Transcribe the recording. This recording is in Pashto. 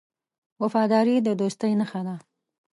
وفاداري د دوستۍ نښه ده.